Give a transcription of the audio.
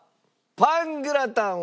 パングラタンは。